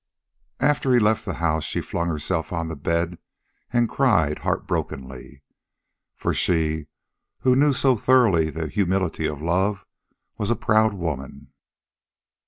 After he left the house she flung herself on the bed and cried heart brokenly. For she, who knew so thoroughly the humility of love, was a proud woman.